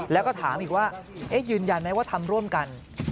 แล้วก็ถามอีกว่ายืนยันไหมว่าทำร่วมกัน